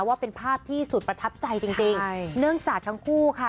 ว่าเป็นภาพที่สุดประทับใจจริงจริงใช่เนื่องจากทั้งคู่ค่ะ